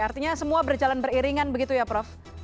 artinya semua berjalan beriringan begitu ya prof